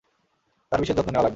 তার বিশেষ যত্ন নেওয়া লাগবে।